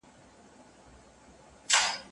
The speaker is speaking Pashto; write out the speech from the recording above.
جهاني څه ویل رویبار په ماته، ماته ژبه